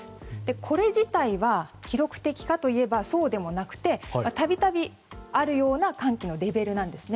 これ自体は記録的かといえばそうでもなくて度々あるような寒気のレベルなんですね。